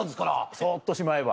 そっとしまえば。